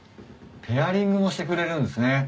ペアリングもしてくれるんすね。